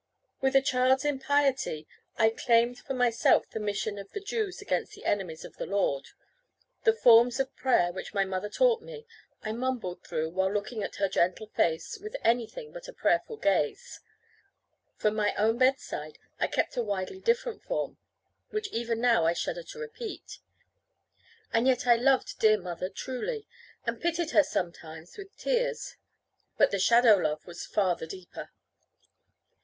With a child's impiety, I claimed for myself the mission of the Jews against the enemies of the Lord. The forms of prayer, which my mother taught me, I mumbled through, while looking in her gentle face, with anything but a prayerful gaze. For my own bedside I kept a widely different form, which even now I shudder to repeat. And yet I loved dear mother truly, and pitied her sometimes with tears; but the shadow love was far the deeper.